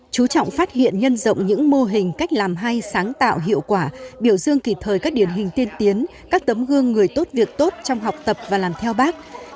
chú trọng phát hiện nhân rộng những mô hình cách làm hay sáng tạo hiệu quả biểu dương kịp thời các điển hình tiên tiến các tấm gương người tốt việc tốt trong học tập và làm theo bác